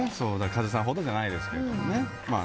カズさんほどじゃないですけど。